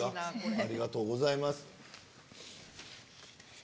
ありがとうございます。